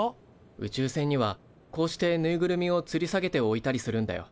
宇宙船にはこうしてぬいぐるみをつり下げておいたりするんだよ。